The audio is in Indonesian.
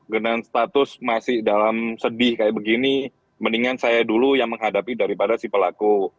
dengan status masih dalam sedih kayak begini mendingan saya dulu yang menghadapi daripada si pelaku